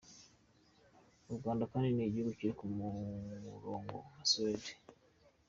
U Rwanda kandi ni igihugu kiri ku murongo nka Suède.